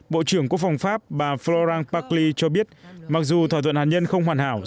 bộ trưởng quốc phòng pháp bà florent pagli cho biết mặc dù thỏa thuận hạt nhân không hoàn hảo